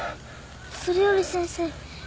それより先生。